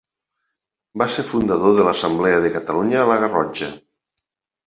Va ser fundador de l'Assemblea de Catalunya a la Garrotxa.